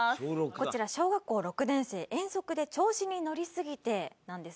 こちら「小学校６年生遠足で調子に乗りすぎて」なんですが。